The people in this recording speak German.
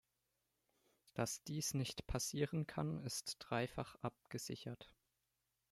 Dass dies nicht passieren kann, ist dreifach abgesichert.